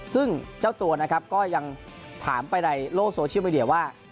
ซึ่งเจ้าตัวนะครับก็ยังถามไปในโลกโซเชียลมีเดียว่า